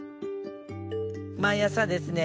毎朝ですね